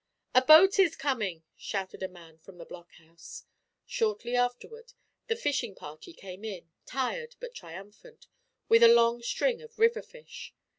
"A boat is coming," shouted a man from the blockhouse. Shortly afterward, the fishing party came in, tired but triumphant, with a long string of river fish.